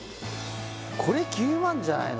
これ９万じゃないの？